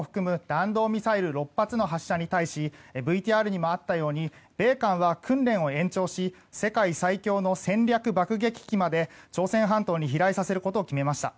弾道ミサイル６発の発射に対しＶＴＲにもあったように米韓は訓練を延長し世界最強の戦略爆撃機まで朝鮮半島に飛来させることを決めました。